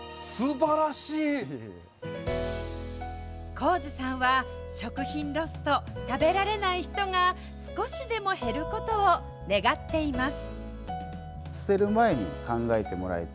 高津さんは食品ロスと食べられない人が少しでも減ることを願っています。